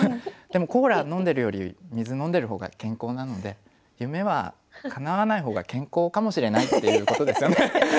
でもコーラ飲んでるより水飲んでる方が健康なので夢はかなわない方が健康かもしれないっていうことですよね。